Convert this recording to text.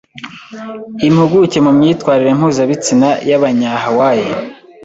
impuguke mu myitwarire mpuzabitsina y'Abanyahawaii